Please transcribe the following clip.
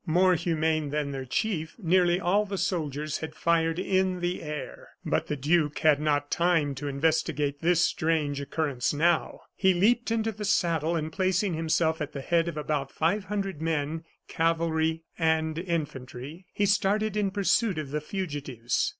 More humane than their chief, nearly all the soldiers had fired in the air. But the duke had not time to investigate this strange occurrence now. He leaped into the saddle, and placing himself at the head of about five hundred men, cavalry and infantry, he started in pursuit of the fugitives.